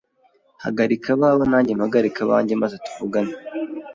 Hagarika abawe nanjye mpagarike abanjye maze tuvugane.